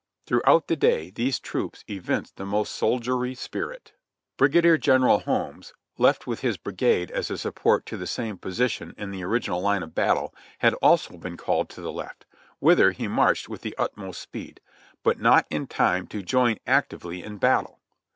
Throughout the day these troops evinced the most soldierly spirit. Brigadier General Holmes, left with his brigade as a support to the same position in the original line of battle, had also been called to the left, whither he marched with the utmost speed; BUT NOT IN TIME TO JOIN ACTIVELY IN BATTLE.